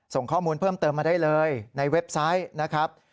ส่งข้อมูลเพิ่มเติมมาได้เลยในเว็บไซต์นะครับ